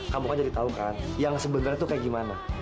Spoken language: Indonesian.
kamu kan jadi tau kan yang sebenarnya tuh kayak gimana